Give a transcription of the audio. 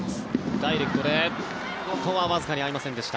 ダイレクトで、ここはわずかに合いませんでした。